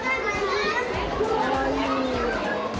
かわいい。